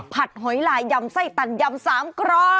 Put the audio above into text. ผัดหอยลายยำไส้ตันยำสามกรอบ